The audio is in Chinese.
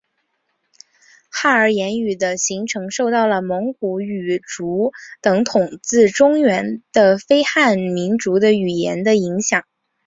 汉儿言语的形成受到了蒙古语族等统治中原的非汉民族的语言的影响。